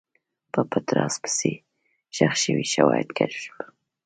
په پټ راز پسې، ښخ شوي شواهد کشف شول.